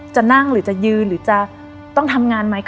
จะนั่งหรือจะยืนหรือจะต้องทำงานไหม